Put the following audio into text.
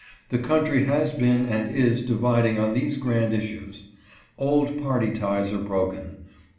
The country has been and is dividing on these grand issues. Old party ties are broken.